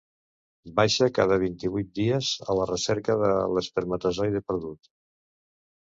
Baixa cada vint-i-vuit dies a la recerca de l'espermatozoide perdut.